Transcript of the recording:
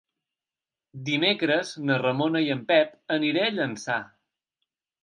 Dimecres na Ramona i en Pep aniré a Llançà.